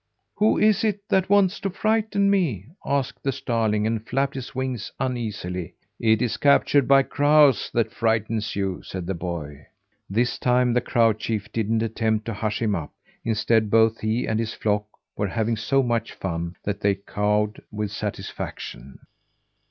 "Who is it that wants to frighten me?" asked the starling, and flapped his wings uneasily. "It is Captured by Crows that frightens you," said the boy. This time the crow chief didn't attempt to hush him up. Instead, both he and his flock were having so much fun that they cawed with satisfaction.